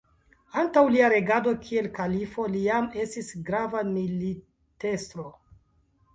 Antaŭ lia regado kiel kalifo li jam estis grava militestro.